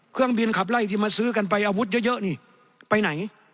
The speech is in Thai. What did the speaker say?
เครื่องบินขับไล่ที่มาซื้อกันไปอาวุธเยอะนี่ไปไหน